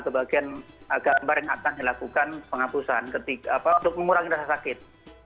ke bagian gambar yang akan dilakukan penghapusan untuk mengurangi rasa sakit